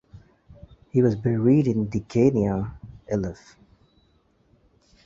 He was buried in Degania Alef.